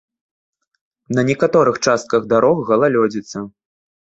Не некаторых частках дарог галалёдзіца.